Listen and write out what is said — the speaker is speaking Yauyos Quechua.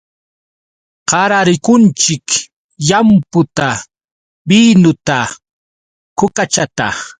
Qararikunchik llamputa, binuta, kukachata.